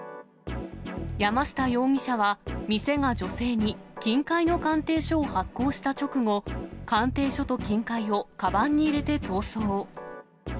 山下容疑者は、店が女性に金塊の鑑定書を発行した直後、鑑定書と金塊をかばんに入れて逃走。